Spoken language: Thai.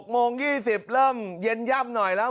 โมง๒๐เริ่มเย็นย่ำหน่อยแล้ว